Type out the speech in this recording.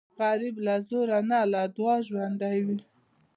غریب له زوره نه، له دعاو ژوندی وي